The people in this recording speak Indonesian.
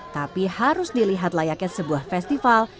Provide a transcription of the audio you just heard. tapi harus dilihat layaknya sebuah festival